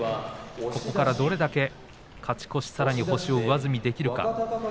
ここからどれだけ勝ち越しさらに星を上積みできるか。